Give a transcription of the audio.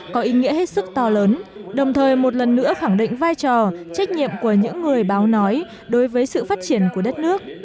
có ý nghĩa hết sức to lớn đồng thời một lần nữa khẳng định vai trò trách nhiệm của những người báo nói đối với sự phát triển của đất nước